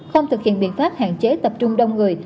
không thực hiện biện pháp hạn chế tập trung đông người